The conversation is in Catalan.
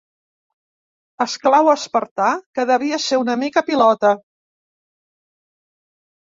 Esclau espartà que devia ser una mica pilota.